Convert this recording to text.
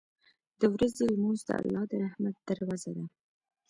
• د ورځې لمونځ د الله د رحمت دروازه ده.